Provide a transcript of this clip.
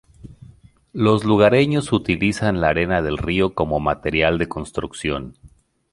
Los lugareños utilizan la arena de río como material de construcción.